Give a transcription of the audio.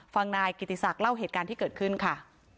ฟังนายกิติศักดิ์เล่าเหตุการณ์ที่เกิดขึ้นค่ะ